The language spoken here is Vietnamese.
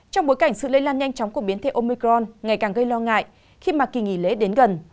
trong bối cảnh sự lây lan nhanh chóng của biến thể omicron ngày càng gây lo ngại khi mà kỳ nghỉ lễ đến gần